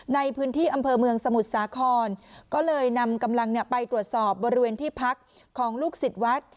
ในพื้นที่อำเภอเมืองสมุทรสาครก็เลยนำกำลังไปตรวจสอบบริเวณที่พักของลูกศิษย์วัด